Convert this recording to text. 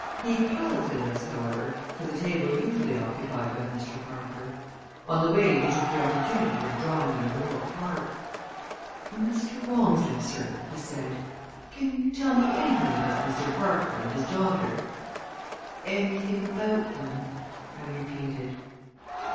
He piloted us, however, to the table usually occupied by Mr. Parker. On the way he took the opportunity of drawing me a little apart. "Mr. Walmsley, sir," he said, "can you tell me anything about Mr. Parker and his daughter?" "Anything about them?" I repeated.